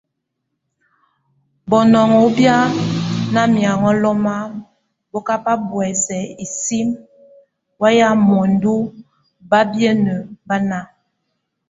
Bonɔŋ o bʼ ó na miaŋó lom, bó baka buɛs isim wamía muendu kabiene baná.